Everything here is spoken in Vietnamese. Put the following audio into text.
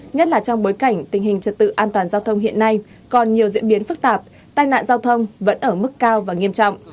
nhất là trong bối cảnh tình hình trật tự an toàn giao thông hiện nay còn nhiều diễn biến phức tạp tai nạn giao thông vẫn ở mức cao và nghiêm trọng